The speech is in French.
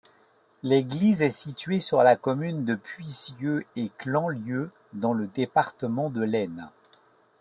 L'église est située sur la commune de Puisieux-et-Clanlieu, dans le département de l'Aisne.